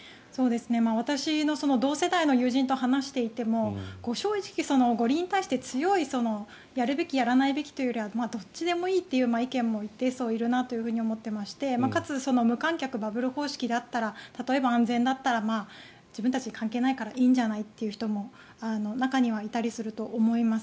私の同世代の友人と話していても正直、五輪に対して強いやるべきやらないべきというよりはどっちでもいいという意見も一定層いるなと思っていましてかつ、無観客バブル方式であったら例えば安全だったら自分たちに関係ないからいいんじゃないっていう人も中にはいたりすると思います。